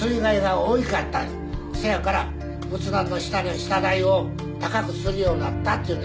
せやから仏壇の下台を高くするようになったっていう。